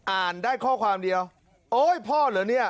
อ่านได้ข้อความเดียวโอ๊ยพ่อเหรอเนี่ย